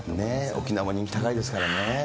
沖縄も人気高いですからね。